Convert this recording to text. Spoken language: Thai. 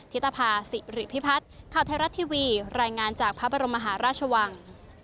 ิตภาษิริพิพัฒน์ข่าวไทยรัฐทีวีรายงานจากพระบรมมหาราชวัง